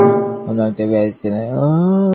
অন্য আরেকটা ভেস্ট নেই?